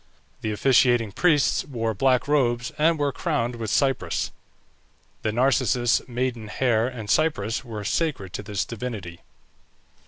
The officiating priests wore black robes, and were crowned with cypress. The narcissus, maiden hair, and cypress were sacred to this divinity.